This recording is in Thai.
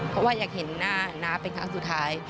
เค้าอยากเห็นหน้าเป็นครั้งสุดท้าย